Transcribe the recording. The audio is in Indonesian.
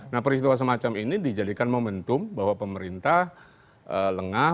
nah peristiwa semacam ini dijadikan momentum bahwa pemerintah lengah